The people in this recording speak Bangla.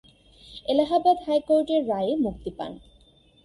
এলাহাবাদ হাইকোর্টের রায়ে মুক্তি পান।